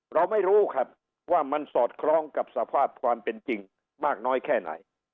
เราไม่รู้ครับว่ามันสอดคล้องกับสภาพความเป็นจริงมากน้อยแค่ไหน